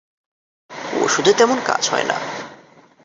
ওষুধে তেমন কাজ হয় না।